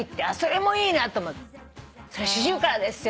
「それシジュウカラですよ」